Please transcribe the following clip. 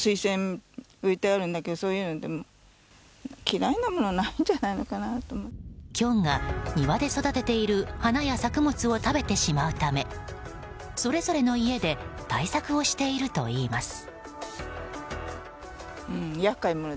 キョンが、庭で育てている花や作物を食べてしまうためそれぞれの家で対策をしているといいます。